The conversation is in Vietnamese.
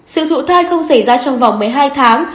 sự thụ thai không xảy ra trong vòng một mươi hai tháng